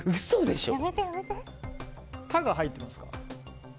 「た」が入ってますか？